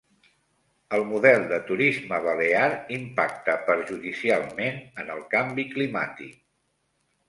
El model de turisme balear impacta perjudicialment en el canvi climàtic